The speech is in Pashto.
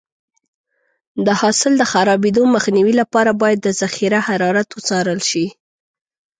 د حاصل د خرابېدو مخنیوي لپاره باید د ذخیره حرارت وڅارل شي.